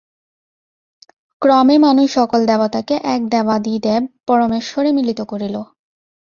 ক্রমে মানুষ সকল দেবতাকে এক দেবাদিদেব পরমেশ্বরে মিলিত করিল।